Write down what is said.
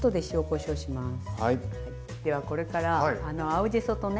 ではこれから青じそとね